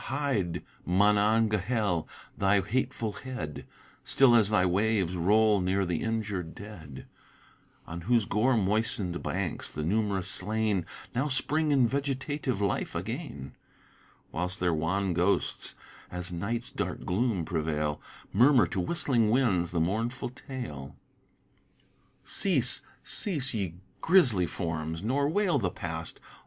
hide Monongahel thy hateful head (Still as thy waves roll near the injur'd dead) On whose gore moistened banks the num'rous slain, Now spring in vegetative life again, Whilst their wan ghosts as night's dark gloom prevail Murmur to whistling winds the mournful tale; Cease, cease, ye grisly forms, nor wail the past.